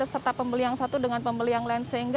serta pembelian yang satu dengan pembelian yang lain